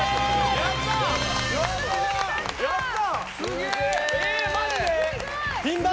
やったー！